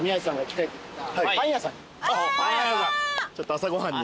ちょっと朝ご飯に。